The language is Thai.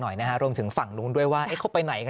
หน่อยนะฮะรวมถึงฝั่งนู้นด้วยว่าเขาไปไหนกัน